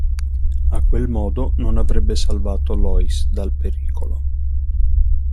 A quel modo, non avrebbe salvato Lois dal pericolo.